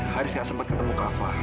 haris nggak sempat ketemu kafa